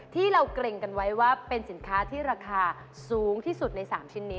ที่เราเกรงกันไว้ว่าเป็นสินค้าที่ราคาสูงที่สุดใน๓ชิ้นนี้